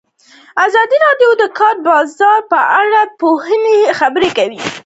ازادي راډیو د د کار بازار په اړه د پوهانو څېړنې تشریح کړې.